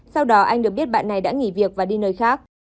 sau đó anh được biết bạn này đã nghỉ việc và đi nơi khác